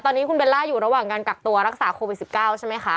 ตอนนี้คุณเบลล่าอยู่ระหว่างการกักตัวรักษาโควิด๑๙ใช่ไหมคะ